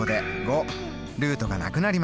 ルートがなくなりました。